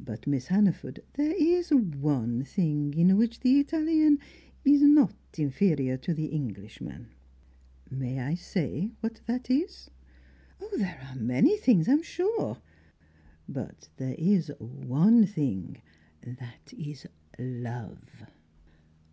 But, Miss Hannaford, there is one thing in which the Italian is not inferior to the Englishman. May I say what that is?" "There are many things, I am sure " "But there is one thing that is Love!"